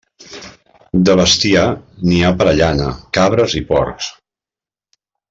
De bestiar, n'hi ha per a llana, cabres i porcs.